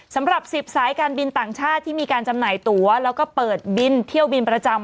สำหรับ๑๐สายการบินต่างชาติที่มีการจำหน่ายตัวแล้วก็เปิดบินเที่ยวบินประจำ